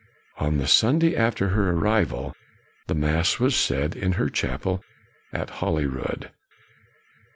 On the Sunday after her arrival, the mass was said in her chapel at Holyrood.